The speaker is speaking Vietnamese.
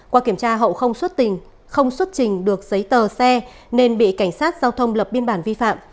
qua kiểm tra hậu không xuất trình được giấy tờ xe nên bị cảnh sát giao thông lập biên bản vi phạm